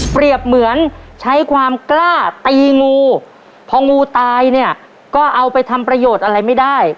เหมือนใช้ความกล้าตีงูพองูตายเนี่ยก็เอาไปทำประโยชน์อะไรไม่ได้